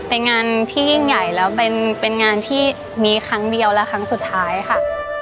เป็นงานที่ยิ่งใหญ่แล้วเป็นงานที่มีครั้งเดียวและครั้งสุดท้ายค่ะ